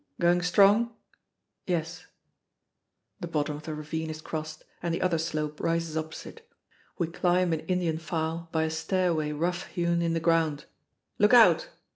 "Going strong?" "Yes." The bottom of the ravine is crossed and the other slope rises opposite. We climb in Indian file by a stairway rough hewn in the ground: "Look out!"